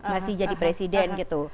masih jadi presiden gitu